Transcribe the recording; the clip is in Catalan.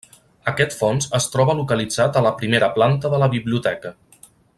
Aquest fons es troba localitzat a la primera planta de la biblioteca.